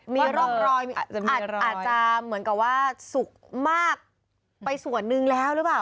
มีร่องรอยอาจจะเหมือนกับว่าสุกมากไปส่วนหนึ่งแล้วหรือเปล่า